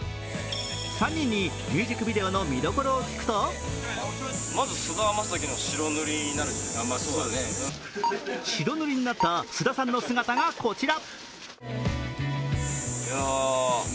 ３人にミュージックビデオの見どころを聞くと白塗りになった菅田さんの姿が、こちら。